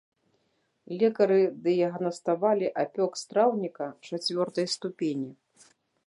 Лекары дыягнаставалі апёк страўніка чацвёртай ступені.